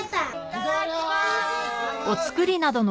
いただきます！